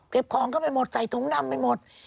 ของเข้าไปหมดใส่ถุงดำไปหมด